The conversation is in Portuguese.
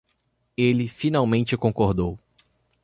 Ele finalmente concordou